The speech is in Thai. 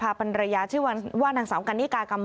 พาพนักงานสอบสวนสนราชบุรณะพาพนักงานสอบสวนสนราชบุรณะ